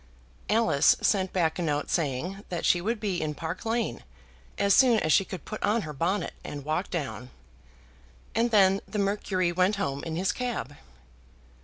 Alice sent back a note, saying that she would be in Park Lane as soon as she could put on her bonnet and walk down; and then the Mercury went home in his cab.